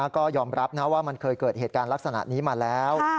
ก็ยอมรับนะว่ามันเคยเกิดเหตุการณ์ลักษณะนี้มาแล้ว